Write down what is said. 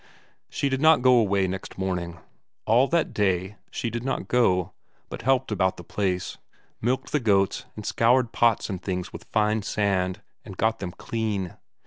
She did not go away next morning; all that day she did not go, but helped about the place; milked the goats, and scoured pots and things with fine sand, and got them clean.